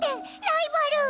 ライバル！